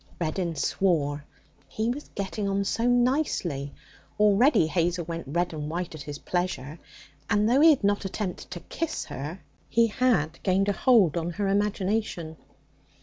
Reddin swore. He was getting on so nicely. Already Hazel went red and white at his pleasure, and though he had not attempted to kiss her, he had gained a hold on her imagination.